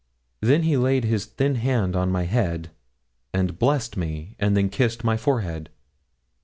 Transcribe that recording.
Then he laid his thin hand on my head, and blessed me, and then kissed my forehead.